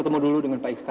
kepala sekolah smp